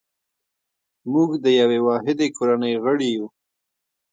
موږ د یوې واحدې کورنۍ غړي یو.